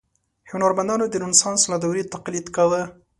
هنرمندانو د رنسانس له دورې تقلید کاوه.